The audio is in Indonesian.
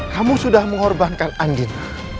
kamu sudah mengorbankan andin